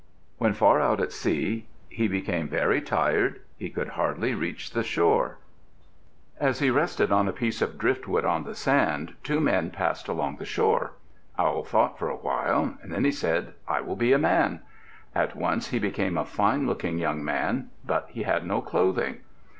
When far out at sea, he became very tired. He could hardly reach the shore. As he rested on a piece of driftwood on the sand, two men passed along the shore. Owl thought for a while. Then he said, "I will be a Man." At once he became a fine looking young man, but he had no clothing.